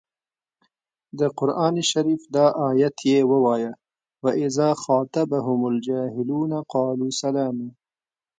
د قران شریف دا ایت یې ووايه و اذا خاطبهم الجاهلون قالو سلاما.